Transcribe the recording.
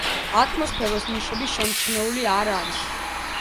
ატმოსფეროს ნიშნები შემჩნეული არ არის.